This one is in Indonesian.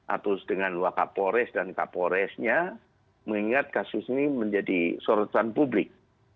atau dengan wakapolres dan kapolresnya mengingat kasus ini menjadi sorotan publik